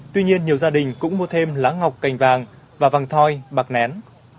tuy nhiên nhiều gia đình cũng mua thêm lá ngọc cành vàng và vàng thoi bạc nén